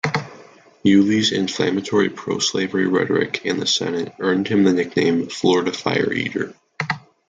Yulee's inflammatory pro-slavery rhetoric in the Senate earned him the nickname "Florida Fire Eater".